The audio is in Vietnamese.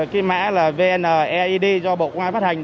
cái mã là vneid do bộ công an phát hành